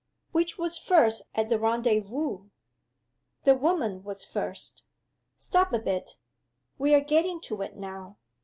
Which was first at the rendezvous?" "The woman was first. Stop a bit! We are getting to it now."